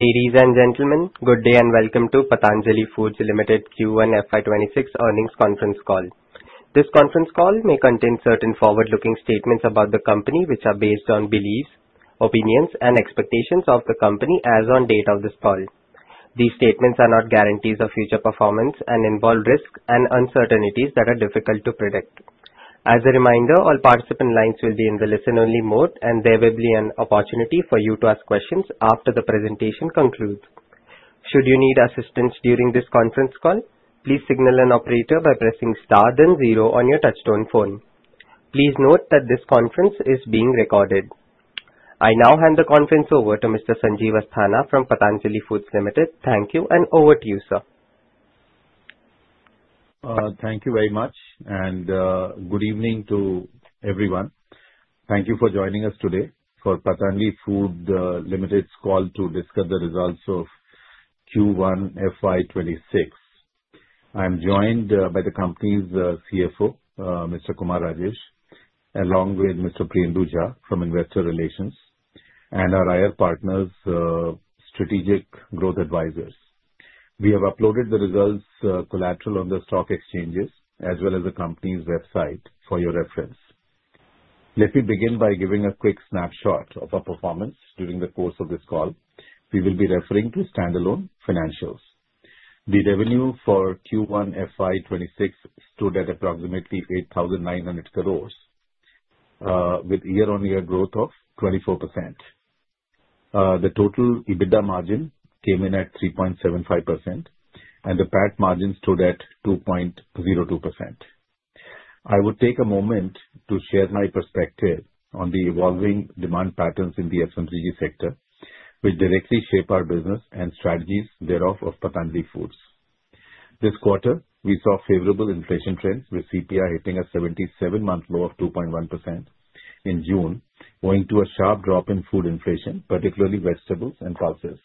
Ladies and gentlemen, good day and welcome to Patanjali Foods Limited Q1 FY 2026 earnings conference call. This conference call may contain certain forward-looking statements about the company, which are based on beliefs, opinions, and expectations of the company as of the date of this call. These statements are not guarantees of future performance and involve risks and uncertainties that are difficult to predict. As a reminder, all participant lines will be in the listen-only mode, and there will be an opportunity for you to ask questions after the presentation concludes. Should you need assistance during this conference call, please signal an operator by pressing star then zero on your touch-tone phone. Please note that this conference is being recorded. I now hand the conference over to Mr. Sanjeev Asthana from Patanjali Foods Limited. Thank you, and over to you, sir. Thank you very much, and good evening to everyone. Thank you for joining us today for Patanjali Foods Limited's call to discuss the results of Q1 FY 2026. I'm joined by the company's CFO, Mr. Kumar Rajesh, along with Mr. Priyendu Jha from Investor Relations and our IR partners, Strategic Growth Advisors. We have uploaded the results collateral on the stock exchanges as well as the company's website for your reference. Let me begin by giving a quick snapshot of our performance during the course of this call. We will be referring to standalone financials. The revenue for Q1 FY 2026 stood at approximately 8,900 crores, with year-on-year growth of 24%. The total EBITDA margin came in at 3.75%, and the PAT margin stood at 2.02%. I would take a moment to share my perspective on the evolving demand patterns in the FMCG sector, which directly shape our business and strategies, thereof, of Patanjali Foods. This quarter, we saw favorable inflation trends, with CPI hitting a 77-month low of 2.1% in June, owing to a sharp drop in food inflation, particularly vegetables and pulses.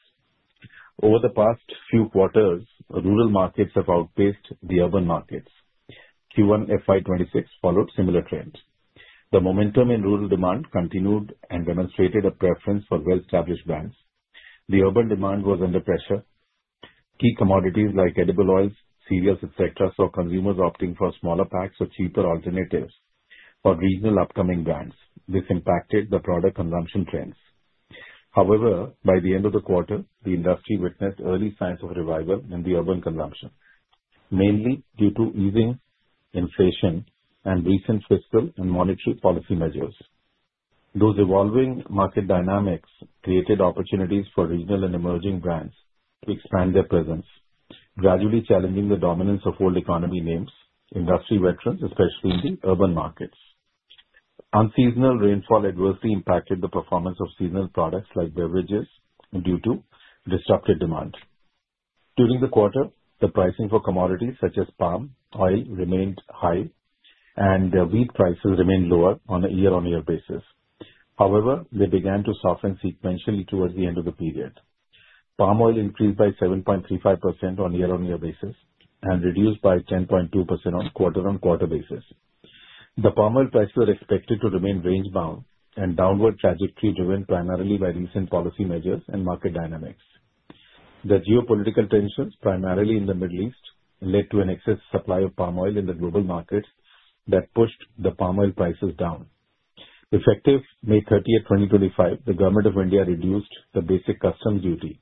Over the past few quarters, rural markets have outpaced the urban markets. Q1 FY 2026 followed similar trends. The momentum in rural demand continued and demonstrated a preference for well-established brands. The urban demand was under pressure. Key commodities like edible oils, cereals, etc., saw consumers opting for smaller packs or cheaper alternatives for regional upcoming brands. This impacted the product consumption trends. However, by the end of the quarter, the industry witnessed early signs of revival in the urban consumption, mainly due to easing inflation and recent fiscal and monetary policy measures. Those evolving market dynamics created opportunities for regional and emerging brands to expand their presence, gradually challenging the dominance of old economy names, industry veterans, especially in the urban markets. Unseasonal rainfall adversely impacted the performance of seasonal products like beverages due to disrupted demand. During the quarter, the pricing for commodities such as palm oil remained high, and wheat prices remained lower on a year-on-year basis. However, they began to soften sequentially towards the end of the period. Palm oil increased by 7.35% on a year-on-year basis and reduced by 10.2% on quarter-on-quarter basis. The palm oil prices are expected to remain range-bound, and downward trajectory driven primarily by recent policy measures and market dynamics. The geopolitical tensions, primarily in the Middle East, led to an excess supply of palm oil in the global markets that pushed the palm oil prices down. Effective May 30, 2025, the Government of India reduced the basic customs duty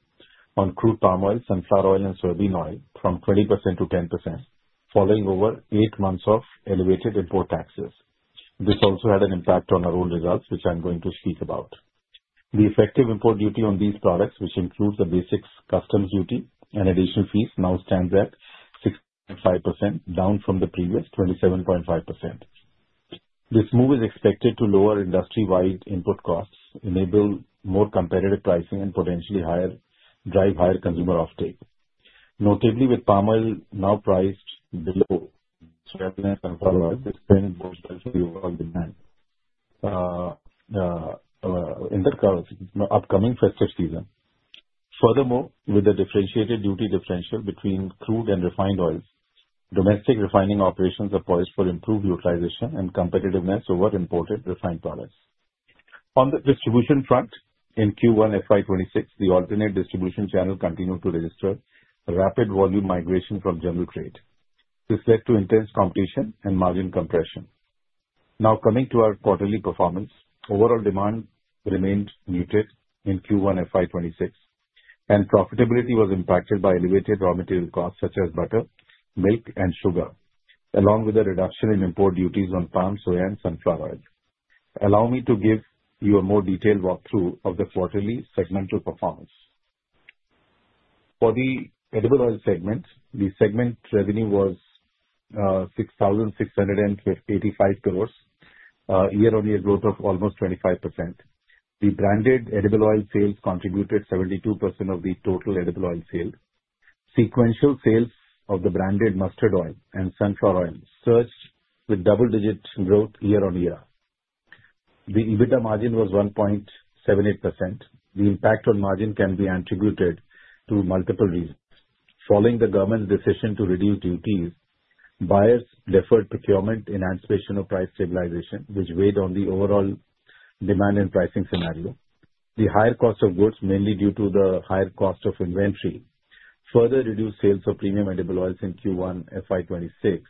on crude palm oil, sunflower oil, and soybean oil from 20% to 10%, following over eight months of elevated import taxes. This also had an impact on our own results, which I'm going to speak about. The effective import duty on these products, which includes the basic customs duty and additional fees, now stands at 6.5%, down from the previous 27.5%. This move is expected to lower industry-wide input costs, enable more competitive pricing, and potentially drive higher consumer offtake. Notably, with palm oil now priced below soybean and sunflower oil, this trend is most likely to evolve in the upcoming festive season. Furthermore, with the differentiated duty differential between crude and refined oils, domestic refining operations are poised for improved utilization and competitiveness over imported refined products. On the distribution front, in Q1 FY 2026, the alternate distribution channel continued to register rapid volume migration from general trade. This led to intense competition and margin compression. Now coming to our quarterly performance, overall demand remained muted in Q1 FY 2026, and profitability was impacted by elevated raw material costs such as butter, milk, and sugar, along with a reduction in import duties on palm, soybean, and sunflower oil. Allow me to give you a more detailed walkthrough of the quarterly segmental performance. For the edible oil segment, the segment revenue was 6,685 crores, year-on-year growth of almost 25%. The branded edible oil sales contributed 72% of the total edible oil sales. Sequential sales of the branded mustard oil and sunflower oil surged with double-digit growth year-on-year. The EBITDA margin was 1.78%. The impact on margin can be attributed to multiple reasons. Following the government's decision to reduce duties, buyers deferred procurement in anticipation of price stabilization, which weighed on the overall demand and pricing scenario. The higher cost of goods, mainly due to the higher cost of inventory, further reduced sales of premium edible oils in Q1 FY 2026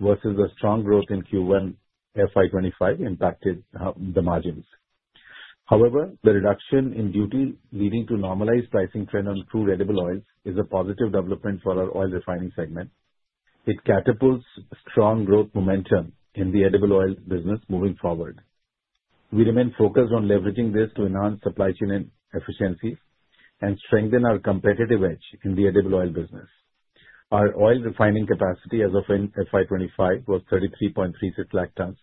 versus a strong growth in Q1 FY 2025 impacted the margins. However, the reduction in duty leading to a normalized pricing trend on crude edible oils is a positive development for our oil refining segment. It catapults strong growth momentum in the edible oil business moving forward. We remain focused on leveraging this to enhance supply chain efficiencies and strengthen our competitive edge in the edible oil business. Our oil refining capacity as of FY 2025 was 33.36 lakh tons,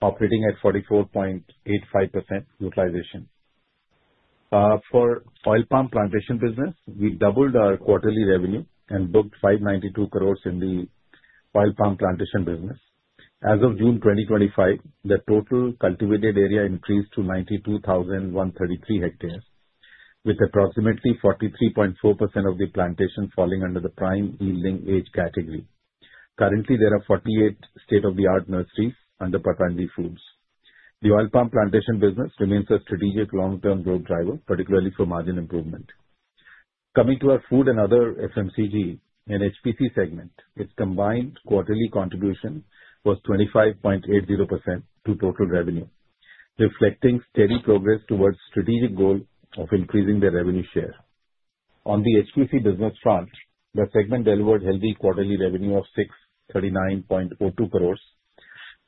operating at 44.85% utilization. For oil palm plantation business, we doubled our quarterly revenue and booked 592 crores in the oil palm plantation business. As of June 2025, the total cultivated area increased to 92,133 hectares, with approximately 43.4% of the plantation falling under the prime yielding age category. Currently, there are 48 state-of-the-art nurseries under Patanjali Foods. The oil palm plantation business remains a strategic long-term growth driver, particularly for margin improvement. Coming to our food and other FMCG and HPC segment, its combined quarterly contribution was 25.80% to total revenue, reflecting steady progress towards the strategic goal of increasing the revenue share. On the HPC business front, the segment delivered healthy quarterly revenue of 639.02 crores.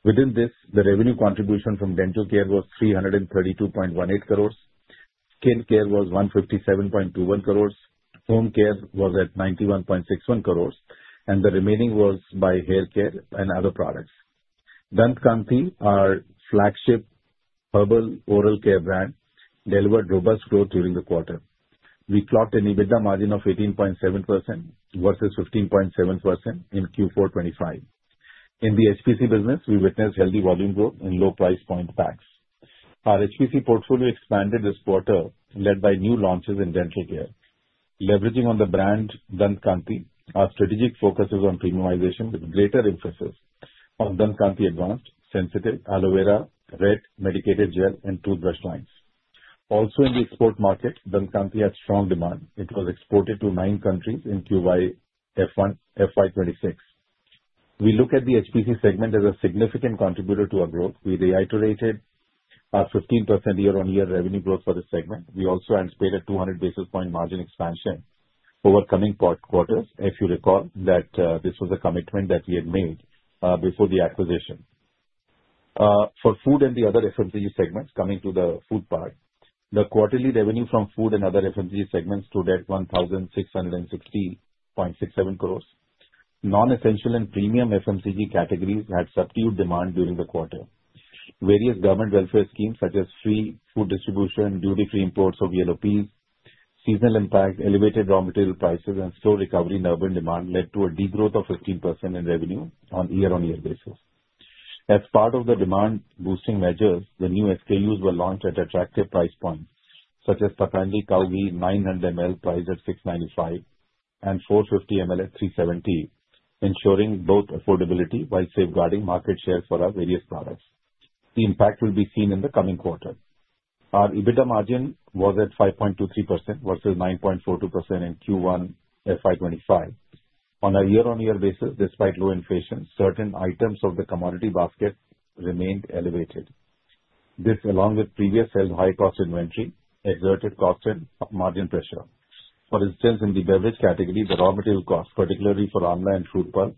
Within this, the revenue contribution from dental care was 332.18 crores, skin care was 157.21 crores, home care was at 91.61 crores, and the remaining was by hair care and other products. Dant Kanti, our flagship herbal oral care brand, delivered robust growth during the quarter. We clocked an EBITDA margin of 18.7% versus 15.7% in Q4 FY 2025. In the HPC business, we witnessed healthy volume growth in low-price point packs. Our HPC portfolio expanded this quarter, led by new launches in dental care. Leveraging on the brand Dant Kanti, our strategic focus is on premiumization with greater emphasis on Dant Kanti Advanced, Sensitive, Aloe Vera, Red, Medicated Gel, and Toothbrush Lines. Also, in the export market, Dant Kanti has strong demand. It was exported to nine countries in Q1 FY 2026. We look at the HPC segment as a significant contributor to our growth. We reiterated our 15% year-on-year revenue growth for this segment. We also anticipated 200 basis point margin expansion over coming quarters. If you recall that this was a commitment that we had made before the acquisition. For Food and the other FMCG segments, coming to the food part, the quarterly revenue from Food and other FMCG segments stood at 1,660.67 crores. Non-essential and premium FMCG categories had subdued demand during the quarter. Various government welfare schemes, such as free food distribution, duty-free imports of yellow peas, seasonal impact, elevated raw material prices, and slow recovery in urban demand, led to a degrowth of 15% in revenue on a year-on-year basis. As part of the demand-boosting measures, the new SKUs were launched at attractive price points, such as Patanjali Cow Ghee 900 ml priced at 695 and 450 ml at 370, ensuring both affordability while safeguarding market share for our various products. The impact will be seen in the coming quarter. Our EBITDA margin was at 5.23% versus 9.42% in Q1 FY 2025. On a year-on-year basis, despite low inflation, certain items of the commodity basket remained elevated. This, along with previous held high-cost inventory, exerted cost and margin pressure. For instance, in the beverage category, the raw material cost, particularly for almond and fruit pulp,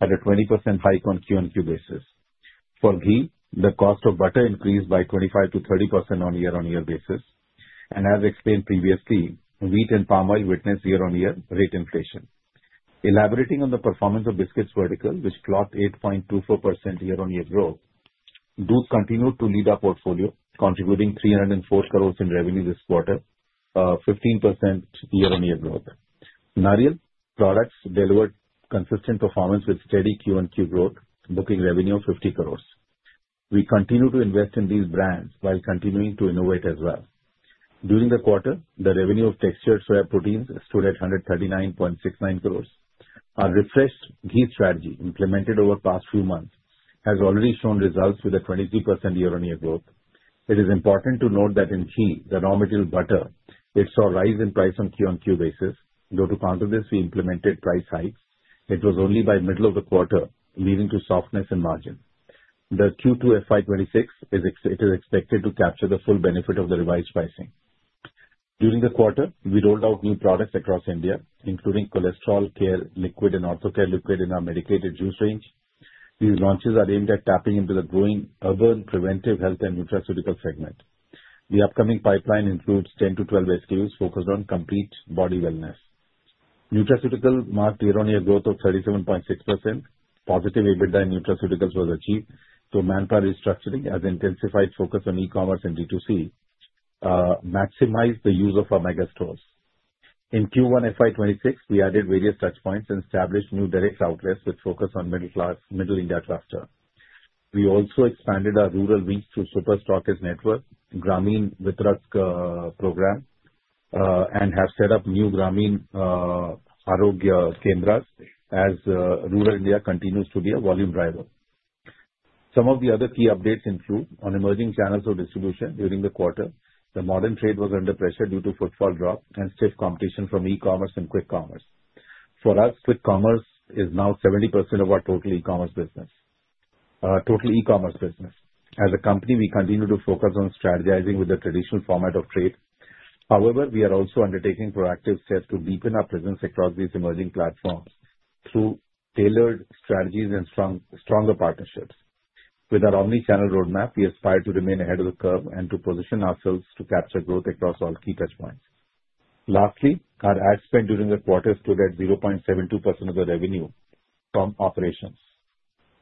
had a 20% hike on QoQ basis. For ghee, the cost of butter increased by 25% to 30% on a year-on-year basis. As explained previously, wheat and palm oil witnessed year-on-year rate inflation. Elaborating on the performance of biscuits vertical, which clocked 8.24% year-on-year growth, those continued to lead our portfolio, contributing 304 crores in revenue this quarter, 15% year-on-year growth. Nariyal products delivered consistent performance with steady QoQ growth, booking revenue of 50 crores. We continue to invest in these brands while continuing to innovate as well. During the quarter, the revenue of textured soya proteins stood at 139.69 crores. Our refreshed ghee strategy, implemented over the past few months, has already shown results with a 23% year-on-year growth. It is important to note that in ghee, the raw material butter, it saw a rise in price on QoQ basis. Though, to counter this, we implemented price hikes. It was only by middle of the quarter, leading to softness in margin. The Q2 FY 2026 is expected to capture the full benefit of the revised pricing. During the quarter, we rolled out new products across India, including Cholesterol Care Liquid and Orthocare Liquid in our medicated juice range. These launches are aimed at tapping into the growing urban, preventive health, and nutraceutical segment. The upcoming pipeline includes 10-12 SKUs focused on complete body wellness. Nutraceutical marked year-on-year growth of 37.6%. Positive EBITDA in nutraceuticals was achieved through manpower restructuring, as intensified focus on e-commerce and D2C maximized the use of our mega stores. In Q1 FY 2026, we added various touchpoints and established new direct outlets with focus on middle India cluster. We also expanded our rural reach through super stockist network, Gramin Vitrak program, and have set up new Gramin Arogya Kendras as rural India continues to be a volume driver. Some of the other key updates include on emerging channels of distribution during the quarter. The modern trade was under pressure due to footfall drop and stiff competition from e-commerce and quick commerce. For us, quick commerce is now 70% of our total e-commerce business. As a company, we continue to focus on strategizing with the traditional format of trade. However, we are also undertaking proactive steps to deepen our presence across these emerging platforms through tailored strategies and stronger partnerships. With our omnichannel roadmap, we aspire to remain ahead of the curve and to position ourselves to capture growth across all key touchpoints. Lastly, our ad spend during the quarter stood at 0.72% of the revenue from operations.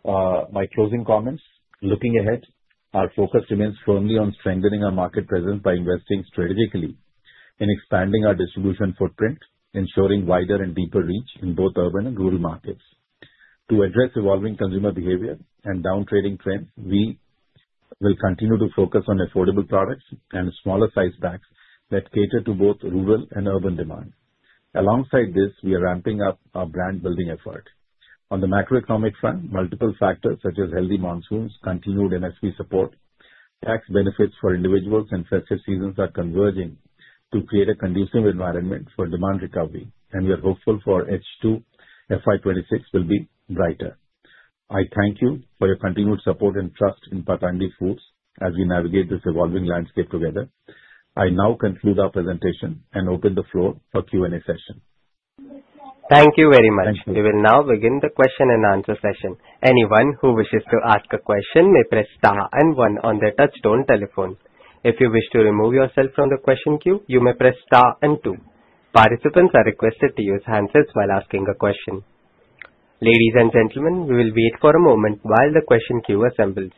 My closing comments, looking ahead, our focus remains firmly on strengthening our market presence by investing strategically in expanding our distribution footprint, ensuring wider and deeper reach in both urban and rural markets. To address evolving consumer behavior and downtrading trends, we will continue to focus on affordable products and smaller size packs that cater to both rural and urban demand. Alongside this, we are ramping up our brand-building effort. On the macroeconomic front, multiple factors such as healthy monsoons, continued MSP support, tax benefits for individuals, and festive seasons are converging to create a conducive environment for demand recovery. And we are hopeful for H2 FY 2026 will be brighter. I thank you for your continued support and trust in Patanjali Foods as we navigate this evolving landscape together. I now conclude our presentation and open the floor for Q&A session. Thank you very much. We will now begin the question-and-answer session. Anyone who wishes to ask a question may press star and one on the touch-tone telephone. If you wish to remove yourself from the question queue, you may press star and two. Participants are requested to use handsets while asking a question. Ladies and gentlemen, we will wait for a moment while the question queue assembles.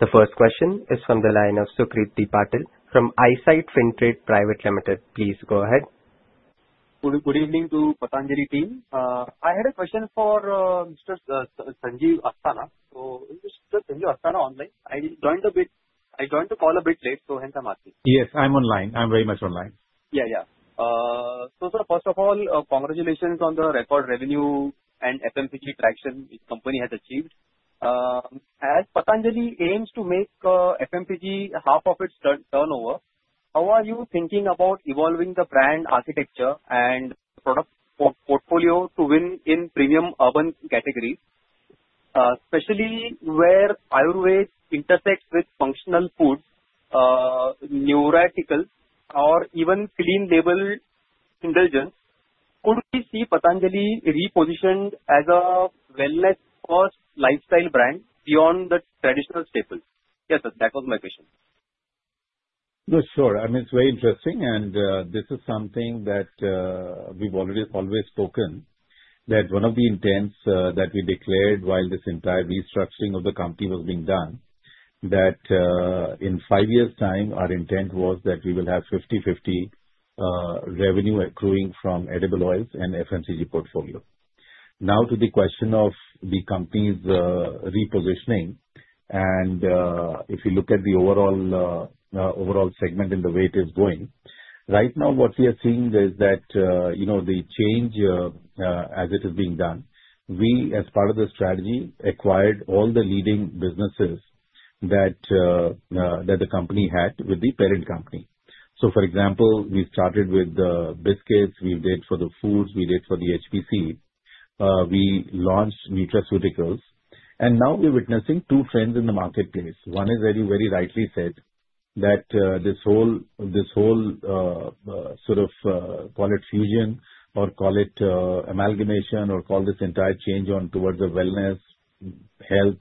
The first question is from the line of Sukrit D. Patil from Eyesight Fintrade Private Limited. Please go ahead. Good evening to Patanjali team. I had a question for Mr. Sanjeev Asthana. So, Mr. Sanjeev Asthana online. I joined a bit. I joined the call a bit late. So hence, I'm asking. Yes, I'm online. I'm very much online. Yeah, yeah. So first of all, congratulations on the record revenue and FMCG traction this company has achieved. As Patanjali aims to make FMCG half of its turnover, how are you thinking about evolving the brand architecture and product portfolio to win in premium urban categories, especially where ayurved intersects with functional foods, nutraceuticals, or even clean label indulgence? Could we see Patanjali repositioned as a wellness-first lifestyle brand beyond the traditional staples? Yes, sir. That was my question. Sure. I mean, it's very interesting, and this is something that we've always spoken that one of the intents that we declared while this entire restructuring of the company was being done, that in five years' time, our intent was that we will have 50/50 revenue accruing from edible oils and FMCG portfolio. Now, to the question of the company's repositioning, and if you look at the overall segment and the way it is going, right now, what we are seeing is that the change as it is being done, we, as part of the strategy, acquired all the leading businesses that the company had with the parent company. So for example, we started with the biscuits. We did for the foods. We did for the HPC. We launched nutraceuticals. And now we're witnessing two trends in the marketplace. One is, as you very rightly said, that this whole sort of call it fusion or call it amalgamation or call this entire change on towards the wellness, health,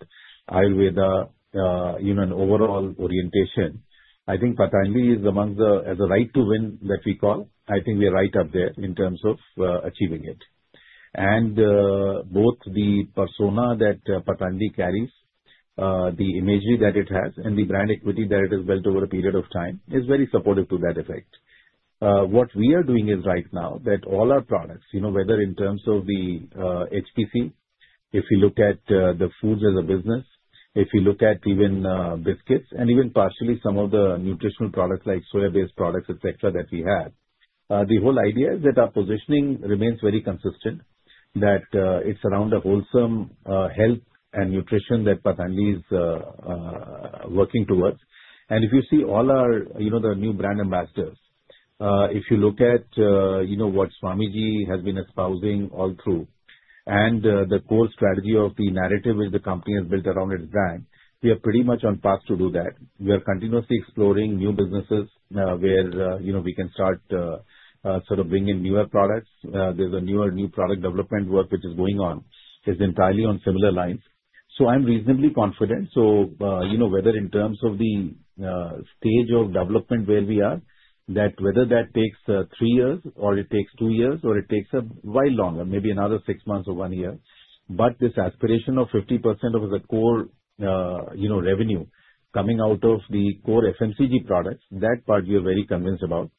Ayurveda, even an overall orientation. I think Patanjali is among the, as a right to win that we call, I think we are right up there in terms of achieving it. Both the persona that Patanjali carries, the imagery that it has, and the brand equity that it has built over a period of time is very supportive to that effect. What we are doing is right now that all our products, whether in terms of the HPC, if you look at the foods as a business, if you look at even biscuits, and even partially some of the nutritional products like soya-based products, etc., that we have, the whole idea is that our positioning remains very consistent, that it's around the wholesome health and nutrition that Patanjali is working towards. If you see all our new brand ambassadors, if you look at what Swamiji has been espousing all through and the core strategy of the narrative which the company has built around its brand, we are pretty much on path to do that. We are continuously exploring new businesses where we can start sort of bringing in newer products. There's a newer new product development work which is going on. It's entirely on similar lines. So I'm reasonably confident. So whether in terms of the stage of development where we are, that whether that takes three years or it takes two years or it takes a while longer, maybe another six months or one year, but this aspiration of 50% of the core revenue coming out of the core FMCG products, that part we are very convinced about.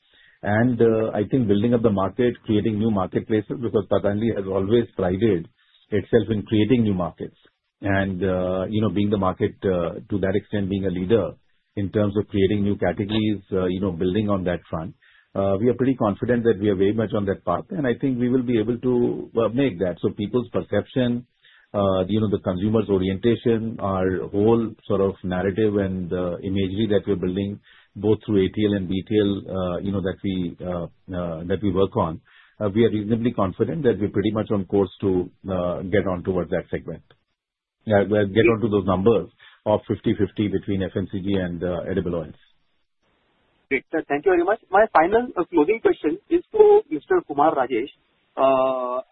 And I think building up the market, creating new marketplaces because Patanjali has always prided itself in creating new markets and being the market to that extent, being a leader in terms of creating new categories, building on that front. We are pretty confident that we are very much on that path. And I think we will be able to make that. So people's perception, the consumer's orientation, our whole sort of narrative and the imagery that we're building both through ATL and BTL that we work on, we are reasonably confident that we're pretty much on course to get on towards that segment, get on to those numbers of 50/50 between FMCG and edible oils. Great. Thank you very much. My final closing question is to Mr. Kumar Rajesh.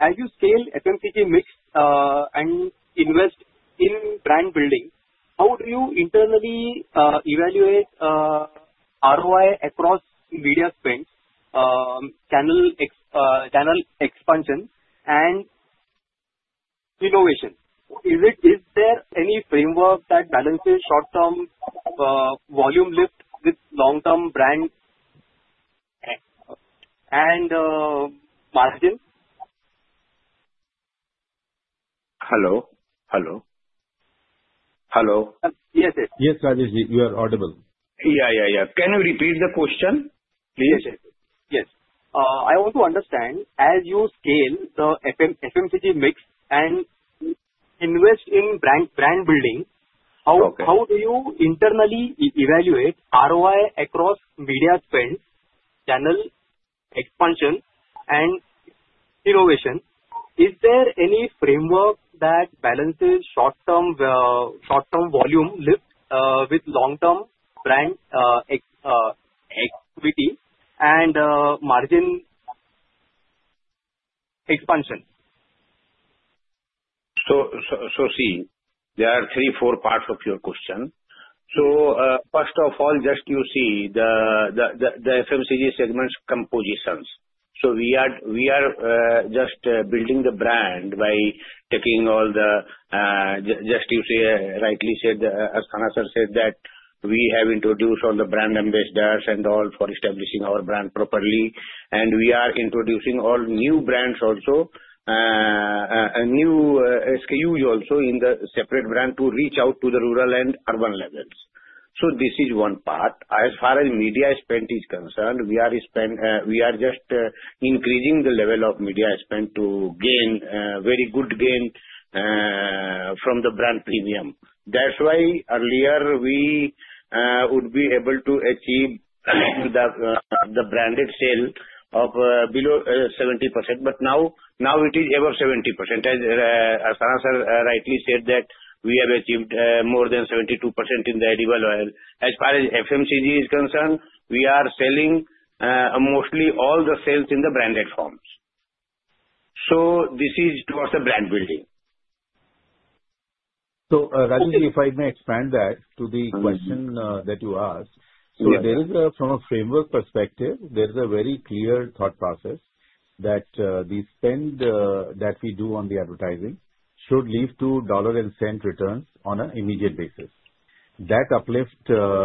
As you scale FMCG mix and invest in brand building, how do you internally evaluate ROI across media spend, channel expansion, and innovation? Is there any framework that balances short-term volume lift with long-term brand and margin? Hello. Hello. Hello. Yes, yes. Yes, Rajeshji. You are audible. Yeah, yeah, yeah. Can you repeat the question, please? Yes, yes. I want to understand, as you scale the FMCG mix and invest in brand building, how do you internally evaluate ROI across media spend, channel expansion, and innovation? Is there any framework that balances short-term volume lift with long-term brand activity and margin expansion? See, there are three, four parts of your question. First of all, just you see the FMCG segment's compositions. We are just building the brand by taking all the, just you rightly said, Asthana sir said that we have introduced all the brand ambassadors and all for establishing our brand properly. And we are introducing all new brands also, new SKUs also in the separate brand to reach out to the rural and urban levels. This is one part. As far as media spend is concerned, we are just increasing the level of media spend to gain very good gain from the brand premium. That's why earlier we would be able to achieve the branded sale of below 70%. But now it is over 70%. As Asthana sir rightly said that we have achieved more than 72% in the edible oil. As far as FMCG is concerned, we are selling mostly all the sales in the branded forms. So this is towards the brand building. So Rajeshji, if I may expand that to the question that you asked, so from a framework perspective, there is a very clear thought process that the spend that we do on the advertising should lead to dollar and cent returns on an immediate basis. That uplift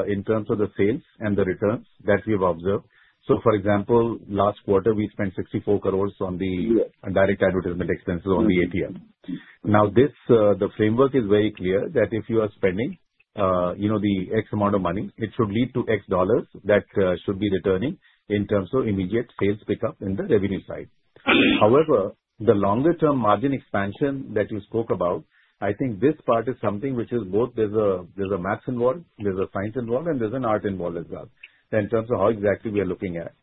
in terms of the sales and the returns that we have observed. For example, last quarter, we spent 64 crores on the direct advertisement expenses on the ATL. Now, the framework is very clear that if you are spending the X amount of money, it should lead to X dollars that should be returning in terms of immediate sales pickup in the revenue side. However, the longer-term margin expansion that you spoke about, I think this part is something which is both, there's a math involved, there's a science involved, and there's an art involved as well in terms of how exactly we are looking at.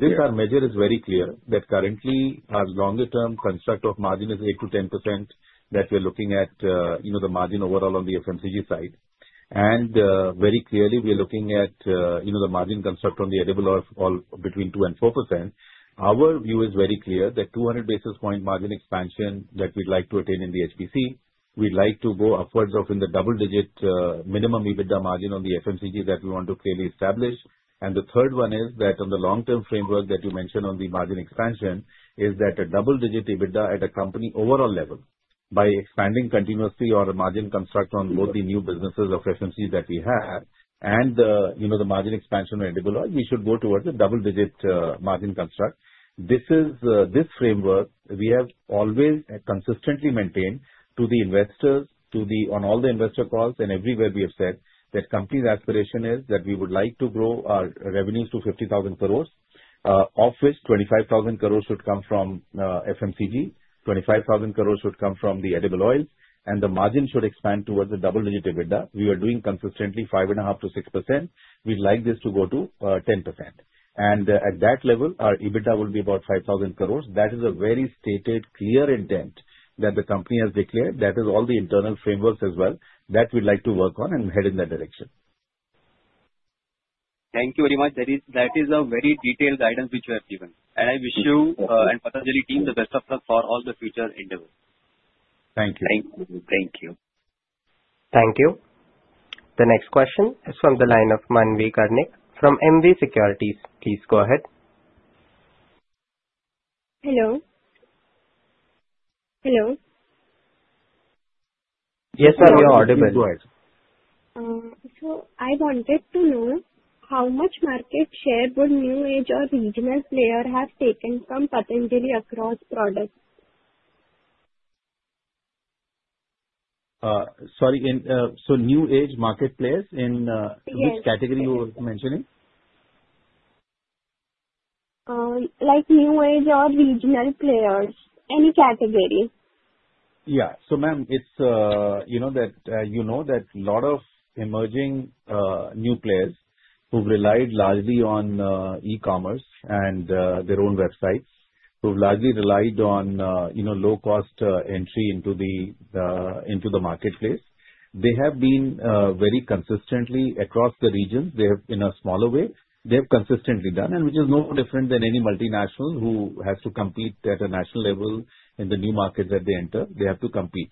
This measure is very clear that currently, as longer-term construct of margin is 8%-10%, that we're looking at the margin overall on the FMCG side. And very clearly, we are looking at the margin construct on the edible oil between 2% and 4%. Our view is very clear that 200 basis points margin expansion that we'd like to attain in the HPC, we'd like to go upwards of in the double-digit minimum EBITDA margin on the FMCG that we want to clearly establish. And the third one is that on the long-term framework that you mentioned on the margin expansion is that a double-digit EBITDA at a company overall level by expanding continuously or a margin construct on both the new businesses of FMCG that we have and the margin expansion on edible oil, we should go towards a double-digit margin construct. This framework, we have always consistently maintained to the investors, to the on all the investor calls and everywhere we have said that company's aspiration is that we would like to grow our revenues to 50,000 crores, of which 25,000 crores should come from FMCG, 25,000 crores should come from the edible oils, and the margin should expand towards the double-digit EBITDA. We are doing consistently 5.5%-6%. We'd like this to go to 10%. And at that level, our EBITDA will be about 5,000 crores. That is a very stated, clear intent that the company has declared. That is all the internal frameworks as well that we'd like to work on and head in that direction. Thank you very much. That is a very detailed guidance which you have given. And I wish you and Patanjali team the best of luck for all the future endeavors. Thank you. Thank you. Thank you. Thank you. The next question is from the line of Manvi Karnik from [MV Securities]. Please go ahead. Hello. Hello. Yes, ma'am, you're audible. So I wanted to know how much market share would new age or regional players have taken from Patanjali across products? Sorry. So new age market players in which category you were mentioning? Like new age or regional players? Any category. Yeah. So ma'am, it's that you know that a lot of emerging new players who've relied largely on e-commerce and their own websites, who've largely relied on low-cost entry into the marketplace, they have been very consistently across the region. In a smaller way, they have consistently done, and which is no different than any multinational who has to compete at a national level in the new markets that they enter. They have to compete.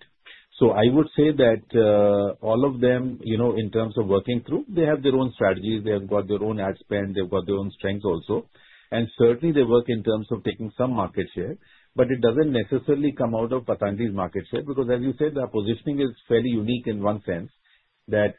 So I would say that all of them, in terms of working through, they have their own strategies. They have got their own ad spend. They've got their own strengths also. And certainly, they work in terms of taking some market share. But it doesn't necessarily come out of Patanjali's market share because, as you said, our positioning is fairly unique in one sense that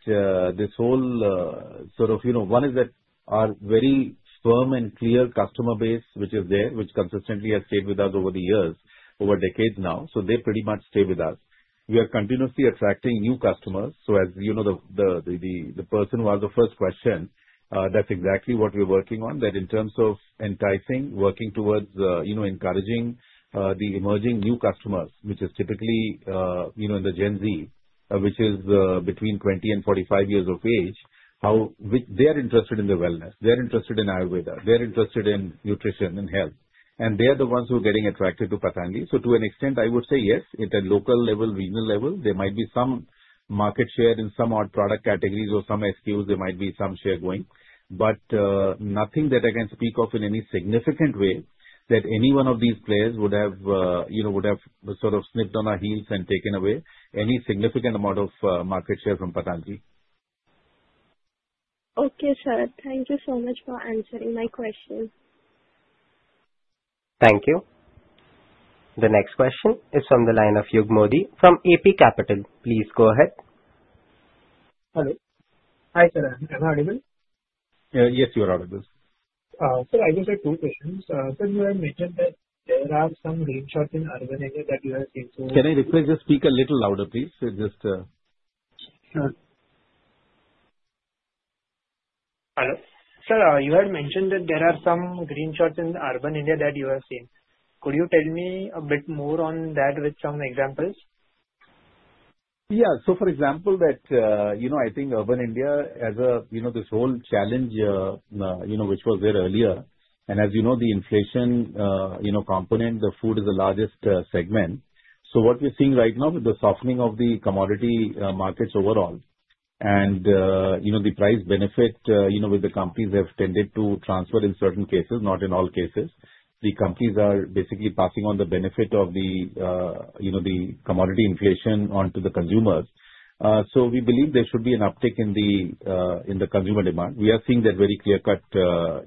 this whole sort of one is that our very firm and clear customer base which is there, which consistently has stayed with us over the years, over decades now. So they pretty much stay with us. We are continuously attracting new customers. So as the person who asked the first question, that's exactly what we're working on, that in terms of enticing, working towards encouraging the emerging new customers, which is typically in the Gen Z, which is between 20 and 45 years of age, they are interested in the wellness. They're interested in Ayurveda. They're interested in nutrition and health. And they are the ones who are getting attracted to Patanjali. So to an extent, I would say yes, at a local level, regional level, there might be some market share in some odd product categories or some SKUs. There might be some share going. But nothing that I can speak of in any significant way that any one of these players would have sort of slipped on our heels and taken away any significant amount of market share from Patanjali. Okay, sir. Thank you so much for answering my question. Thank you. The next question is from the line of Yug Modi from AP Capital. Please go ahead. Hello. Hi, sir. Am I audible? Yes, you are audible. Sir, I just had two questions. Sir, you had mentioned that there are some green shoots in urban area that you have seen through. Can I request you speak a little louder, please? Just. Sure. Hello. Sir, you had mentioned that there are some green shoots in urban area that you have seen. Could you tell me a bit more on that with some examples? Yeah. So for example, I think urban area has this whole challenge which was there earlier. And as you know, the inflation component, the food is the largest segment. So what we're seeing right now with the softening of the commodity markets overall and the price benefit that the companies have tended to transfer in certain cases, not in all cases. The companies are basically passing on the benefit of the commodity inflation onto the consumers. So we believe there should be an uptick in the consumer demand. We are seeing that very clear-cut, the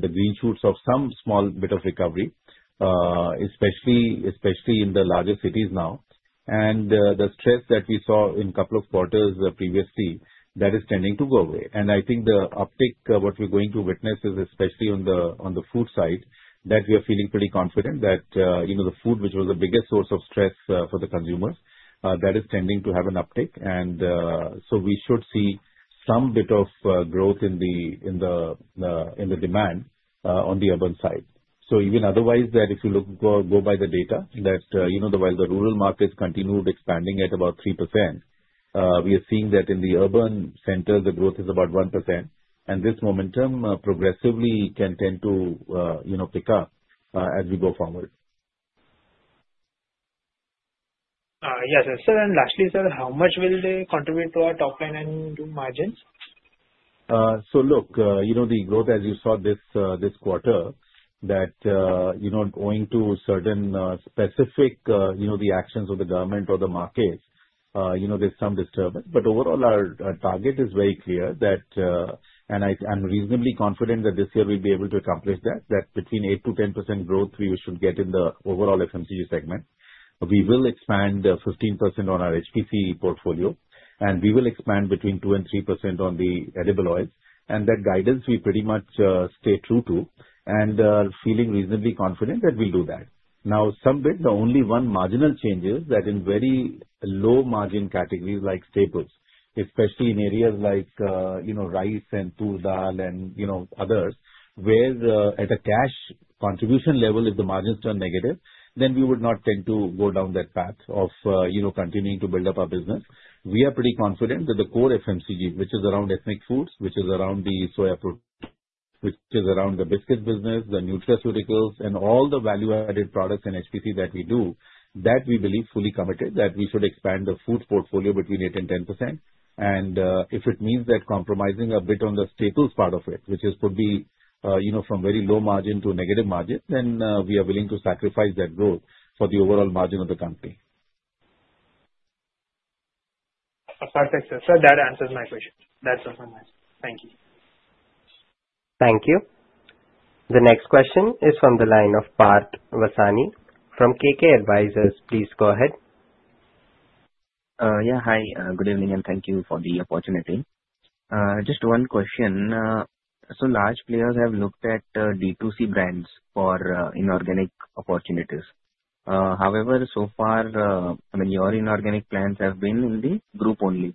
green shoots of some small bit of recovery, especially in the larger cities now. And the stress that we saw in a couple of quarters previously, that is tending to go away. And I think the uptick, what we're going to witness is especially on the food side, that we are feeling pretty confident that the food, which was the biggest source of stress for the consumers, that is tending to have an uptick. We should see some bit of growth in the demand on the urban side. So even otherwise, that if you go by the data, that while the rural markets continued expanding at about 3%, we are seeing that in the urban centers, the growth is about 1%. This momentum progressively can tend to pick up as we go forward. Yes. And sir, and lastly, sir, how much will they contribute to our top line and to margins? So look, the growth, as you saw this quarter, that going to certain specific the actions of the government or the markets, there's some disturbance. But overall, our target is very clear that, and I'm reasonably confident that this year we'll be able to accomplish that, that between 8%-10% growth we should get in the overall FMCG segment. We will expand 15% on our HPC portfolio, and we will expand between 2% and 3% on the edible oils, and that guidance we pretty much stay true to and feeling reasonably confident that we'll do that. Now, some bit, the only one marginal change is that in very low margin categories like staples, especially in areas like rice and tur dal and others, where at a cash contribution level, if the margins turn negative, then we would not tend to go down that path of continuing to build up our business. We are pretty confident that the core FMCG, which is around ethnic foods, which is around the soya protein, which is around the biscuit business, the nutraceuticals, and all the value-added products in HPC that we do, that we believe fully committed that we should expand the food portfolio between 8% and 10%. And if it means that compromising a bit on the staples part of it, which could be from very low margin to negative margin, then we are willing to sacrifice that growth for the overall margin of the company. Perfect. So that answers my question. That's all from me. Thank you. Thank you. The next question is from the line of Parth Vasani from KK Advisors. Please go ahead. Yeah. Hi. Good evening and thank you for the opportunity. Just one question. So large players have looked at D2C brands for inorganic opportunities. However, so far, I mean, your inorganic plants have been in the group only.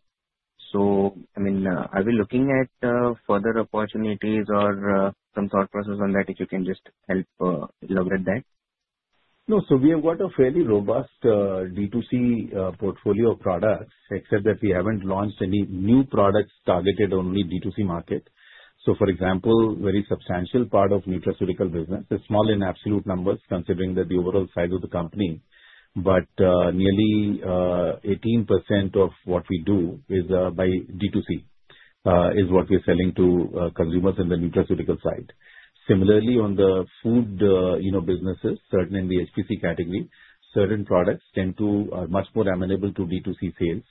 So I mean, are we looking at further opportunities or some thought process on that if you can just help elaborate that? No. So we have got a fairly robust D2C portfolio of products, except that we haven't launched any new products targeted on only D2C market. So for example, very substantial part of nutraceutical business is small in absolute numbers considering the overall size of the company. But nearly 18% of what we do is by D2C is what we're selling to consumers in the nutraceutical side. Similarly, on the food businesses, certainly in the HPC category, certain products tend to are much more amenable to D2C sales.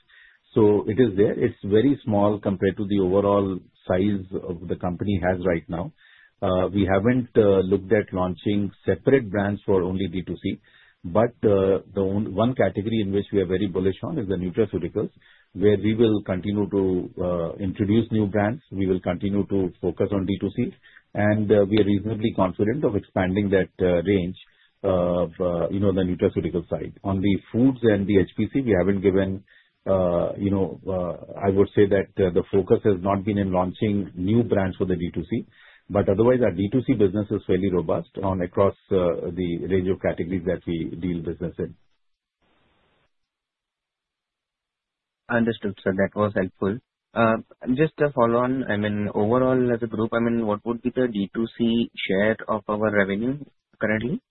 So it is there. It's very small compared to the overall size of the company has right now. We haven't looked at launching separate brands for only D2C. But the one category in which we are very bullish on is the nutraceuticals, where we will continue to introduce new brands. We will continue to focus on D2C. We are reasonably confident of expanding that range of the nutraceutical side. On the foods and the HPC, we haven't given I would say that the focus has not been in launching new brands for the D2C. Otherwise, our D2C business is fairly robust across the range of categories that we deal business in. Understood, sir. That was helpful. Just a follow-on. I mean, overall, as a group, I mean, what would be the D2C share of our revenue currently?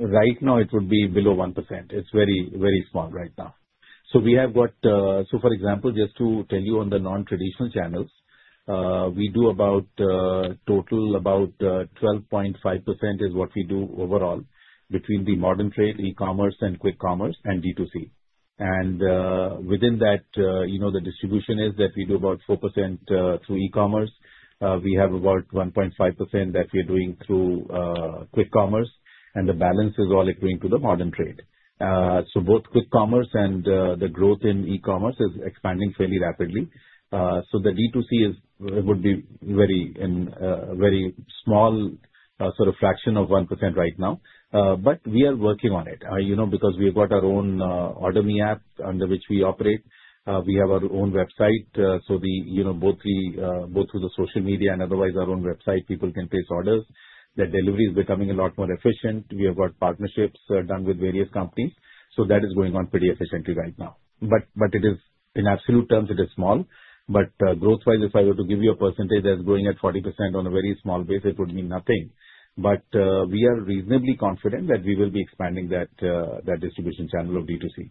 Right now, it would be below 1%. It's very, very small right now. We have got so for example, just to tell you on the non-traditional channels, we do about total about 12.5% is what we do overall between the modern trade, e-commerce, and quick commerce, and D2C. Within that, the distribution is that we do about 4% through e-commerce. We have about 1.5% that we are doing through quick commerce, and the balance is all accruing to the modern trade, so both quick commerce and the growth in e-commerce is expanding fairly rapidly, so the D2C would be very small, sort of fraction of 1% right now, but we are working on it because we have got our own OrderMe app under which we operate. We have our own website. So both through the social media and otherwise our own website, people can place orders. The delivery is becoming a lot more efficient. We have got partnerships done with various companies, so that is going on pretty efficiently right now, but in absolute terms, it is small, but growth-wise, if I were to give you a percentage that's growing at 40% on a very small base, it would mean nothing. But we are reasonably confident that we will be expanding that distribution channel of D2C.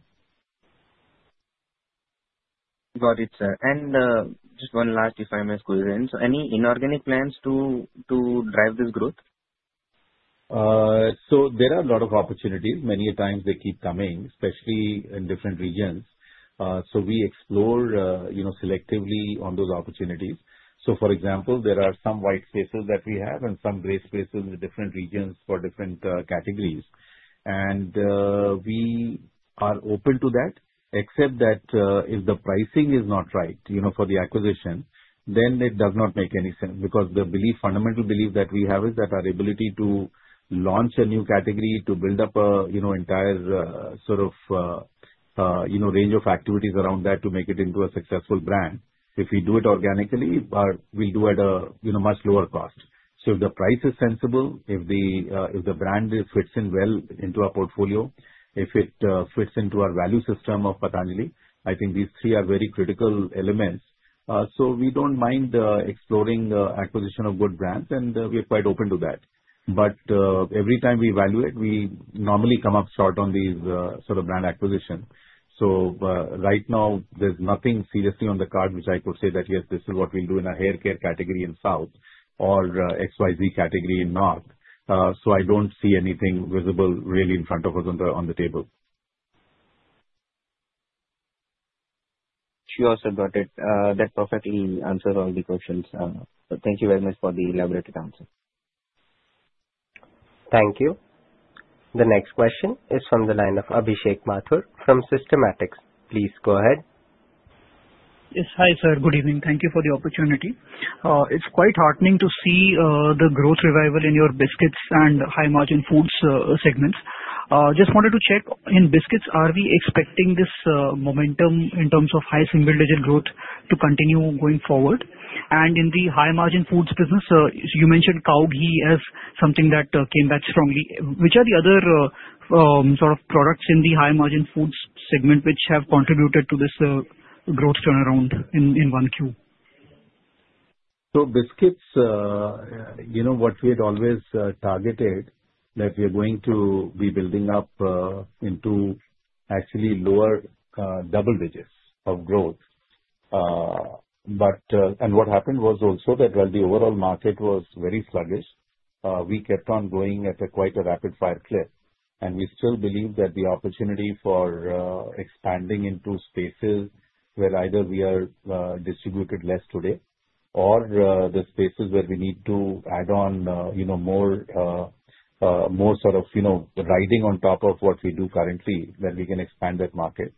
Got it, sir. And just one last, if I may squeeze in, so any inorganic plants to drive this growth? So there are a lot of opportunities. Many times, they keep coming, especially in different regions. So we explore selectively on those opportunities. So for example, there are some white spaces that we have and some gray spaces in different regions for different categories. We are open to that, except that if the pricing is not right for the acquisition, then it does not make any sense because the fundamental belief that we have is that our ability to launch a new category, to build up an entire sort of range of activities around that to make it into a successful brand, if we do it organically, we'll do it at a much lower cost. So if the price is sensible, if the brand fits in well into our portfolio, if it fits into our value system of Patanjali, I think these three are very critical elements. So we don't mind exploring the acquisition of good brands, and we are quite open to that. But every time we evaluate, we normally come up short on these sort of brand acquisitions. So right now, there's nothing seriously on the card which I could say that, yes, this is what we'll do in a haircare category in south or XYZ category in north. So I don't see anything visible really in front of us on the table. You also got it. That perfectly answers all the questions. Thank you very much for the elaborated answer. Thank you. The next question is from the line of Abhishek Mathur from Systematix. Please go ahead. Yes. Hi, sir. Good evening. Thank you for the opportunity. It's quite heartening to see the growth revival in your biscuits and high-margin foods segments. Just wanted to check, in biscuits, are we expecting this momentum in terms of high single-digit growth to continue going forward? And in the high-margin foods business, you mentioned cow ghee as something that came back strongly. Which are the other sort of products in the high-margin foods segment which have contributed to this growth turnaround in Q1? So biscuits, what we had always targeted, that we are going to be building up into actually lower double digits of growth. And what happened was also that while the overall market was very sluggish, we kept on going at quite a rapid-fire clip. And we still believe that the opportunity for expanding into spaces where either we are distributed less today or the spaces where we need to add on more sort of riding on top of what we do currently, then we can expand that market.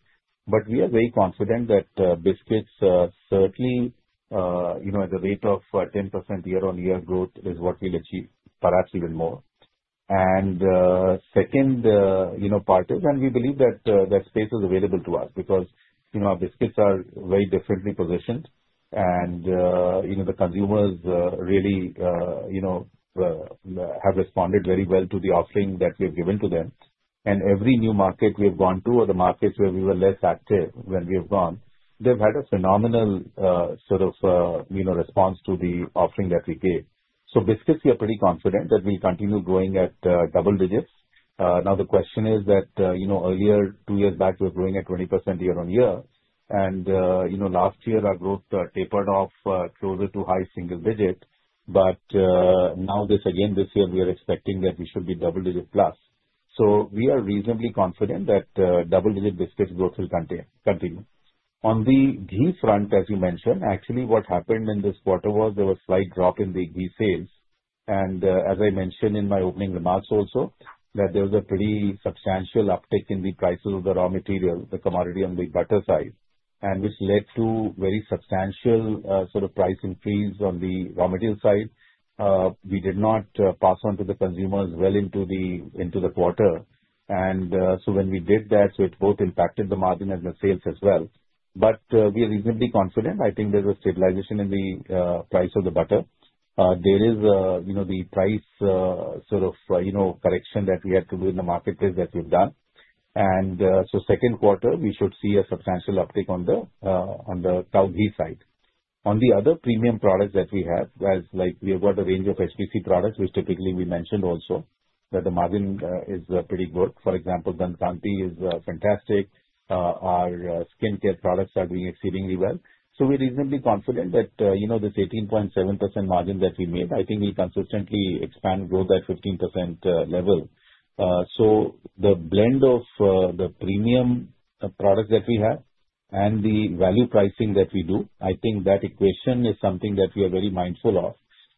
But we are very confident that biscuits, certainly at a rate of 10% year-on-year growth is what we'll achieve, perhaps even more. And second part is, and we believe that that space is available to us because our biscuits are very differently positioned. And the consumers really have responded very well to the offering that we have given to them. And every new market we have gone to or the markets where we were less active when we have gone, they've had a phenomenal sort of response to the offering that we gave. So biscuits, we are pretty confident that we'll continue growing at double digits. Now, the question is that earlier, two years back, we were growing at 20% year-on-year. And last year, our growth tapered off closer to high single-digit. But now, again, this year, we are expecting that we should be double-digit plus. So we are reasonably confident that double-digit biscuits growth will continue. On the ghee front, as you mentioned, actually, what happened in this quarter was there was a slight drop in the ghee sales. As I mentioned in my opening remarks also, that there was a pretty substantial uptick in the prices of the raw material, the commodity on the butter side, which led to very substantial sort of price increase on the raw material side. We did not pass on to the consumers well into the quarter. And so when we did that, so it both impacted the margin and the sales as well. We are reasonably confident. I think there's a stabilization in the price of the butter. There is the price sort of correction that we had to do in the marketplace that we've done. Second quarter, we should see a substantial uptick on the cow ghee side. On the other premium products that we have, as we have got a range of HPC products, which typically we mentioned also that the margin is pretty good. For example, Dant Kanti is fantastic. Our skincare products are doing exceedingly well, so we're reasonably confident that this 18.7% margin that we made, I think we'll consistently expand growth at 15% level, so the blend of the premium products that we have and the value pricing that we do, I think that equation is something that we are very mindful of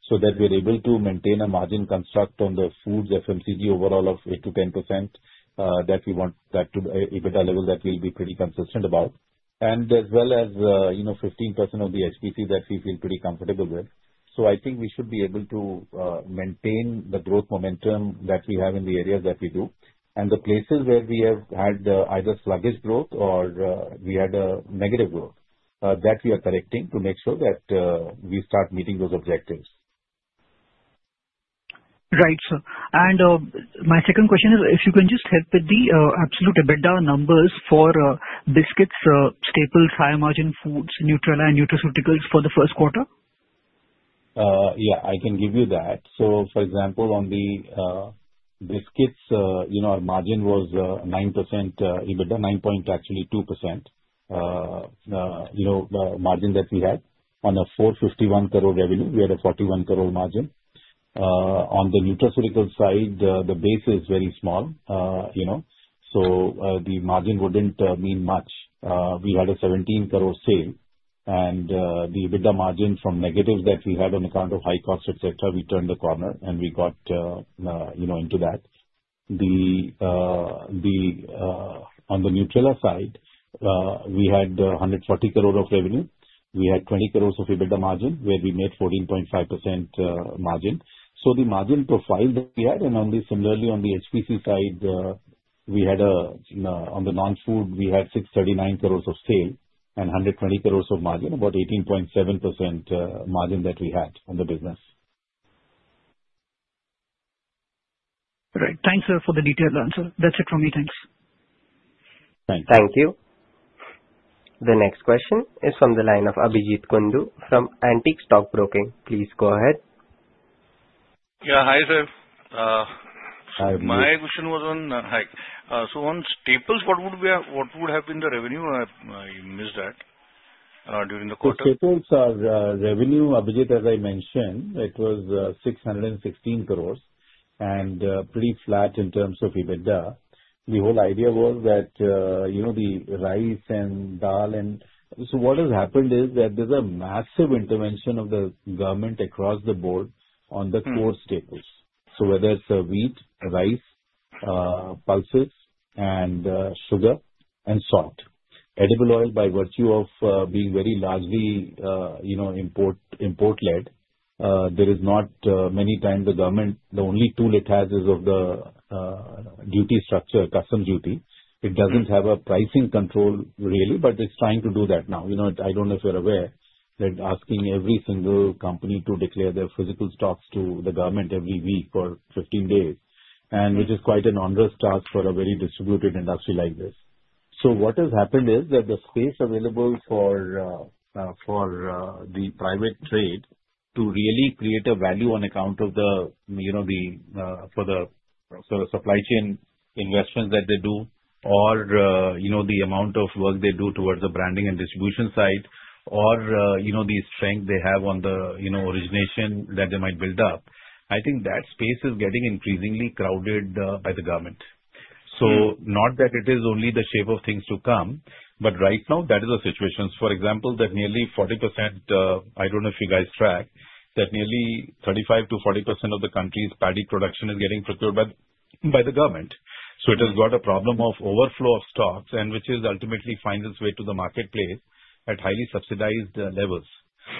so that we are able to maintain a margin construct on the foods FMCG overall of 8%-10% that we want that to be at a level that we'll be pretty consistent about, and as well as 15% of the HPC that we feel pretty comfortable with. So I think we should be able to maintain the growth momentum that we have in the areas that we do and the places where we have had either sluggish growth or we had a negative growth that we are correcting to make sure that we start meeting those objectives. Right, sir. And my second question is, if you can just help with the absolute EBITDA numbers for biscuits, staples, high-margin foods, Nutrela and nutraceuticals for the first quarter. Yeah. I can give you that. So for example, on the biscuits, our margin was 9% EBITDA, 9.2% margin that we had. On a 451 crore revenue, we had a 41 crore margin. On the nutraceutical side, the base is very small. So the margin wouldn't mean much. We had a 17 crore sale. And the EBITDA margin from negatives that we had on account of high cost, etc., we turned the corner and we got into that. On the Nutrela side, we had 140 crore of revenue. We had 20 crore of EBITDA margin where we made 14.5% margin. So the margin profile that we had, and similarly on the HPC side, on the non-food, we had 639 crore of sale and 120 crore of margin, about 18.7% margin that we had on the business. Right. Thanks, sir, for the detailed answer. That's it from me. Thanks. Thank you. Thank you. The next question is from the line of Abhijeet Kundu from Antique Stock Broking. Please go ahead. Yeah. Hi, sir. My question was on staples, what would have been the revenue? I missed that during the quarter. So staples are revenue. Abhijeet, as I mentioned, it was 616 crore and pretty flat in terms of EBITDA. The whole idea was that the rice and dal and so what has happened is that there's a massive intervention of the government across the board on the core staples. So whether it's wheat, rice, pulses, and sugar and salt, edible oil, by virtue of being very largely import-led, there is not many times the government the only tool it has is of the duty structure, customs duty. It doesn't have a pricing control really, but it's trying to do that now. I don't know if you're aware that asking every single company to declare their physical stocks to the government every week for 15 days, which is quite an onerous task for a very distributed industry like this. So what has happened is that the space available for the private trade to really create a value on account of the for the sort of supply chain investments that they do or the amount of work they do towards the branding and distribution side or the strength they have on the origination that they might build up. I think that space is getting increasingly crowded by the government. So not that it is only the shape of things to come, but right now, that is the situation. For example, I don't know if you guys track that nearly 35%-40% of the country's paddy production is getting procured by the government. So it has got a problem of overflow of stocks, which ultimately finds its way to the marketplace at highly subsidized levels.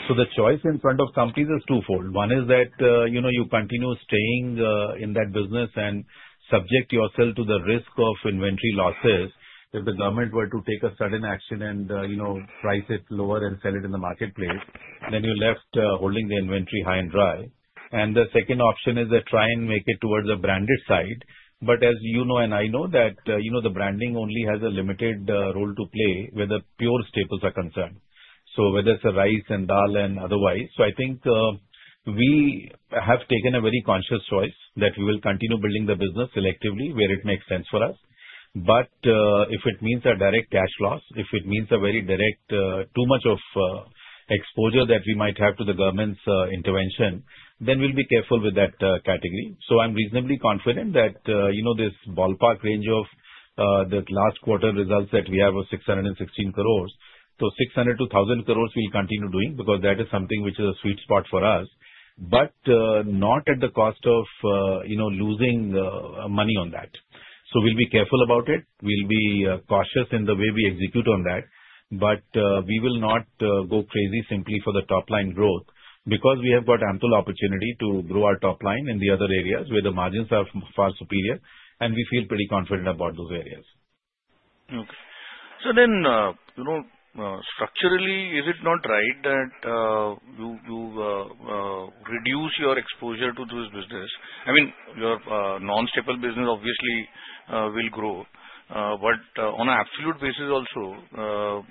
So the choice in front of companies is twofold. One is that you continue staying in that business and subject yourself to the risk of inventory losses if the government were to take a sudden action and price it lower and sell it in the marketplace, then you're left holding the inventory high and dry, and the second option is to try and make it towards the branded side, but as you know and I know that the branding only has a limited role to play where the pure staples are concerned, so whether it's rice and dal and otherwise, so I think we have taken a very conscious choice that we will continue building the business selectively where it makes sense for us, but if it means a direct cash loss, if it means a very direct too much of exposure that we might have to the government's intervention, then we'll be careful with that category. I'm reasonably confident that this ballpark range of the last quarter results that we have of 616 crores, those 600 crores-1,000 crores, we'll continue doing because that is something which is a sweet spot for us, but not at the cost of losing money on that. So we'll be careful about it. We'll be cautious in the way we execute on that. But we will not go crazy simply for the top-line growth because we have got ample opportunity to grow our top line in the other areas where the margins are far superior, and we feel pretty confident about those areas. Okay. So then structurally, is it not right that you reduce your exposure to this business? I mean, your non-staple business obviously will grow, but on an absolute basis also,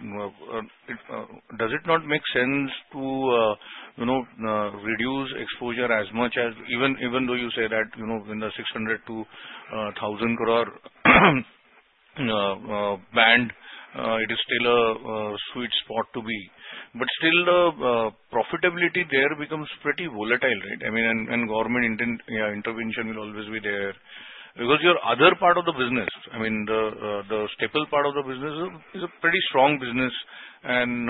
does it not make sense to reduce exposure as much as even though you say that in the 600 crore-1,000 crore band, it is still a sweet spot to be? But still, the profitability there becomes pretty volatile, right? I mean, and government intervention will always be there because your other part of the business, I mean, the staple part of the business is a pretty strong business. And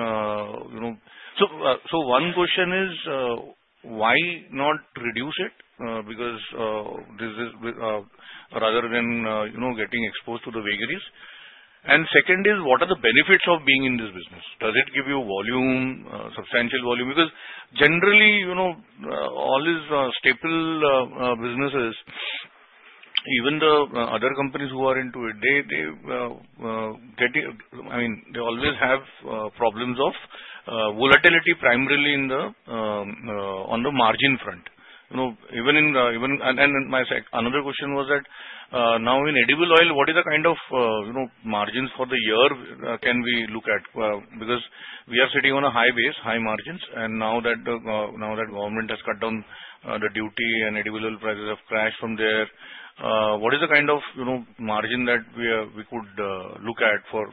so one question is, why not reduce it? Because this is rather than getting exposed to the vagaries. And second is, what are the benefits of being in this business? Does it give you volume, substantial volume? Because generally, all these staple businesses, even the other companies who are into it, they get I mean, they always have problems of volatility primarily on the margin front. Another question was that now in edible oil, what are the kind of margins for the year can we look at? Because we are sitting on a high base, high margins, and now that government has cut down the duty and edible oil prices have crashed from there, what is the kind of margin that we could look at for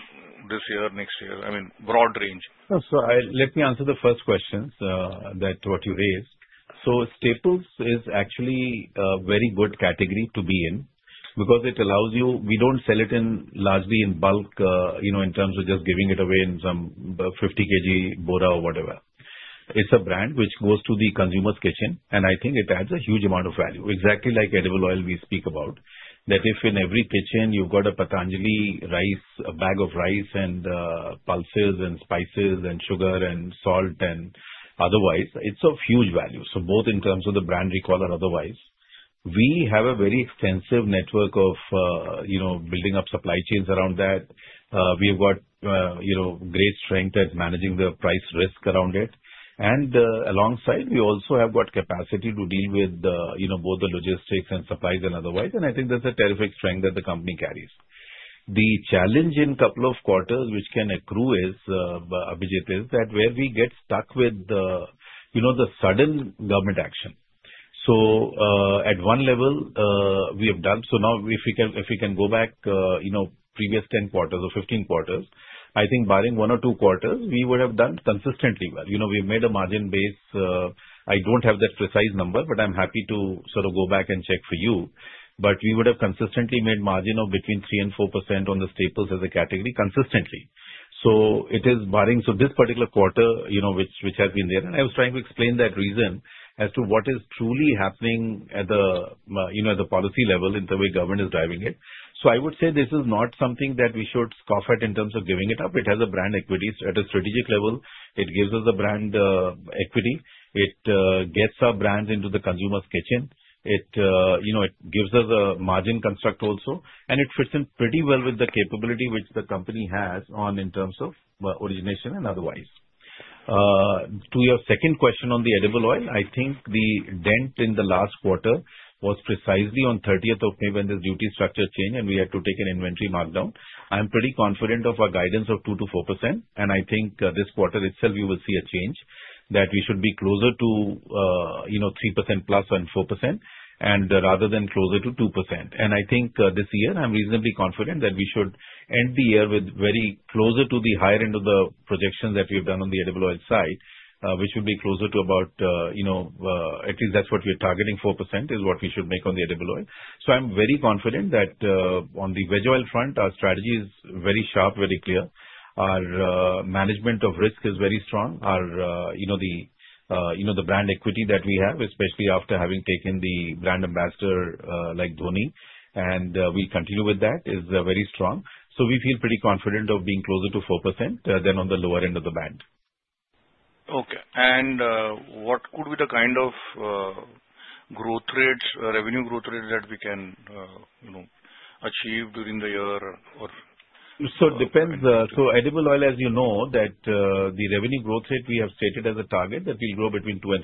this year, next year? I mean, broad range. Let me answer the first question, what you raised. Staples is actually a very good category to be in because it allows you we don't sell it largely in bulk in terms of just giving it away in some 50 kg bora or whatever. It's a brand which goes to the consumer's kitchen, and I think it adds a huge amount of value, exactly like edible oil we speak about, that if in every kitchen you've got a Patanjali rice, a bag of rice and pulses and spices and sugar and salt and otherwise, it's of huge value. So both in terms of the brand recall or otherwise, we have a very extensive network of building up supply chains around that. We have got great strength at managing the price risk around it. And alongside, we also have got capacity to deal with both the logistics and supplies and otherwise. And I think that's a terrific strength that the company carries. The challenge in a couple of quarters which can accrue is, Abhijeet, is that where we get stuck with the sudden government action. So at one level, we have done. So now, if we can go back previous 10 quarters or 15 quarters, I think barring one or two quarters, we would have done consistently well. We've made a margin base. I don't have that precise number, but I'm happy to sort of go back and check for you. But we would have consistently made margin of between 3% and 4% on the staples as a category consistently. So it is barring so this particular quarter which has been there. And I was trying to explain that reason as to what is truly happening at the policy level in the way government is driving it. So I would say this is not something that we should scoff at in terms of giving it up. It has a brand equity at a strategic level. It gives us a brand equity. It gets our brands into the consumer's kitchen. It gives us a margin construct also. And it fits in pretty well with the capability which the company has on in terms of origination and otherwise. To your second question on the edible oil, I think the dent in the last quarter was precisely on 30th of May when this duty structure changed, and we had to take an inventory markdown. I'm pretty confident of our guidance of 2%-4%. And I think this quarter itself, we will see a change that we should be closer to 3%+ and 4% and rather than closer to 2%. And I think this year, I'm reasonably confident that we should end the year with very closer to the higher end of the projections that we have done on the edible oil side, which would be closer to about at least that's what we are targeting, 4% is what we should make on the edible oil. So I'm very confident that on the veg oil front, our strategy is very sharp, very clear. Our management of risk is very strong. The brand equity that we have, especially after having taken the brand ambassador like Dhoni, and we'll continue with that, is very strong. So we feel pretty confident of being closer to 4% than on the lower end of the band. Okay. And what could be the kind of revenue growth rate that we can achieve during the year or? So it depends. So edible oil, as you know, that the revenue growth rate we have stated as a target that we'll grow between 2% and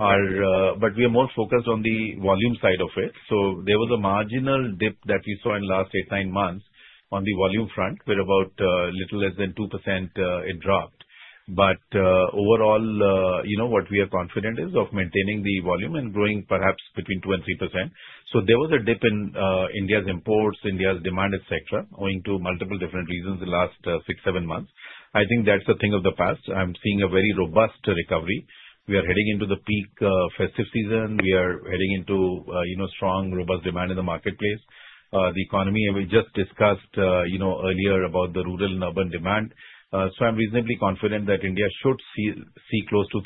3%. But we are more focused on the volume side of it. So there was a marginal dip that we saw in the last 8, 9 months on the volume front where about little less than 2% it dropped. But overall, what we are confident is of maintaining the volume and growing perhaps between 2% and 3%. So there was a dip in India's imports, India's demand, etc., owing to multiple different reasons the last 6, 7 months. I think that's a thing of the past. I'm seeing a very robust recovery. We are heading into the peak festive season. We are heading into strong, robust demand in the marketplace. The economy, we just discussed earlier about the rural and urban demand. So I'm reasonably confident that India should see close to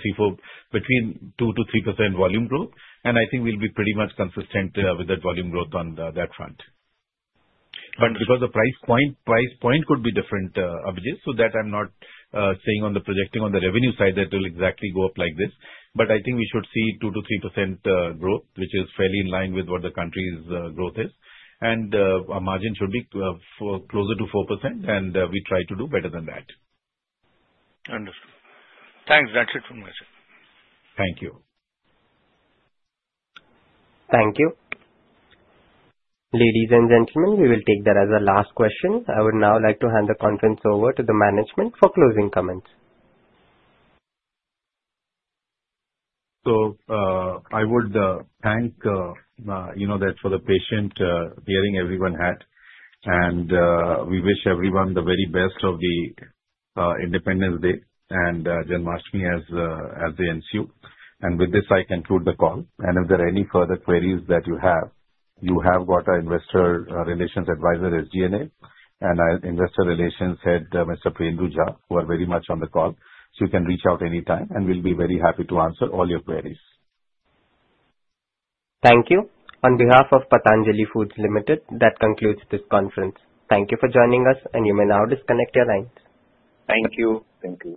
between 2%-3% volume growth. And I think we'll be pretty much consistent with that volume growth on that front. But because the price point could be different, Abhijeet, so that I'm not saying on the projection on the revenue side that it will exactly go up like this. But I think we should see 2%-3% growth, which is fairly in line with what the country's growth is. And our margin should be closer to 4%, and we try to do better than that. Understood. Thanks. That's it from my side. Thank you. Thank you. Ladies and gentlemen, we will take that as a last question. I would now like to hand the conference over to the management for closing comments. So I would thank that for the patient hearing everyone had. We wish everyone the very best of the Independence Day and Janmashtami as they ensue. With this, I conclude the call. If there are any further queries that you have, you have got our investor relations advisor, SGA, and our investor relations head, Mr. Priyendu Jha, who are very much on the call. So you can reach out anytime, and we'll be very happy to answer all your queries. Thank you. On behalf of Patanjali Foods Limited, that concludes this conference. Thank you for joining us, and you may now disconnect your lines. Thank you. Thank you.